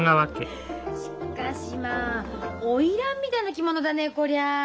しっかしまあ花魁みたいな着物だねえこりゃ。